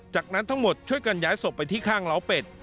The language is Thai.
จากนั้นทั้งหมดช่วยกันย้ายศพไปที่ข้างล้าวเป็ด